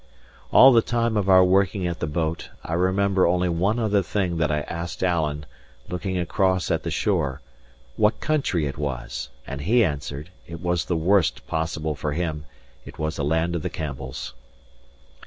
All the time of our working at the boat, I remember only one other thing: that I asked Alan, looking across at the shore, what country it was; and he answered, it was the worst possible for him, for it was a land of the Campbells.